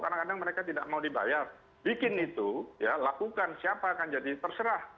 kadang kadang mereka tidak mau dibayar bikin itu ya lakukan siapa akan jadi terserah